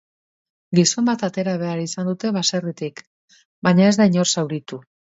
Gizon bat atera behar izan dute baserritik, baina ez da inor zauritu.